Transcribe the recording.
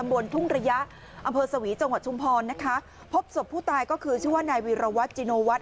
บนทุ่งระยะอำเภอสวีจังหวัดชุมพรนะคะพบศพผู้ตายก็คือชื่อว่านายวีรวัตรจิโนวัฒน